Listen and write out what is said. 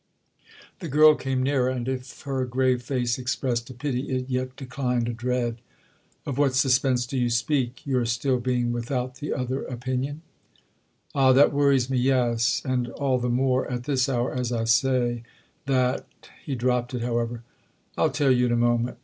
The girl came nearer, and if her grave face expressed a pity it yet declined a dread. "Of what suspense do you speak? Your still being without the other opinion—?" "Ah, that worries me, yes; and all the more, at this hour, as I say, that—" He dropped it, however: "I'll tell you in a moment!